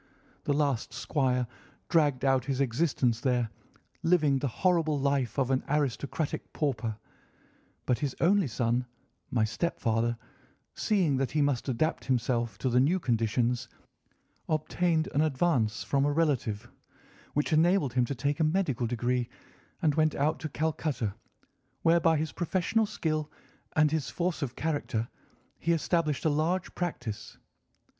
The last squire dragged out his existence there, living the horrible life of an aristocratic pauper; but his only son, my stepfather, seeing that he must adapt himself to the new conditions, obtained an advance from a relative, which enabled him to take a medical degree and went out to Calcutta, where, by his professional skill and his force of character, he established a large practice.